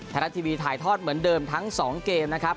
ไทยรัฐทีวีถ่ายทอดเหมือนเดิมทั้ง๒เกมนะครับ